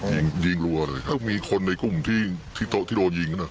ยิงยิงรั่วเลยถ้ามีคนในกลุ่มที่ที่โตะที่โดนยิงกันน่ะ